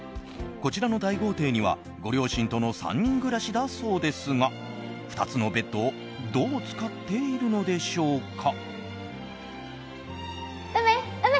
こちらの大豪邸には、ご両親との３人暮らしだそうですが２つのベッドをどう使っているのでしょうか。